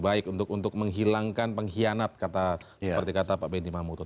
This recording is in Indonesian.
baik untuk menghilangkan pengkhianat seperti kata pak bendy mahmood